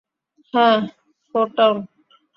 হ্যাঁ, ফোর-টাউন!